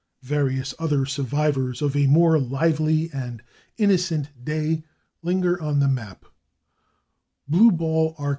Various other survivors of a more lively and innocent day linger on the map: /Blue Ball/, Ark.